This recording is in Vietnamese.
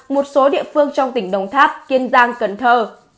một số địa phương trong tỉnh đồng tháp kiên giang cần thơ